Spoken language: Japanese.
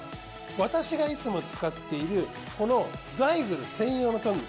私がいつも使っているこのザイグル専用のトング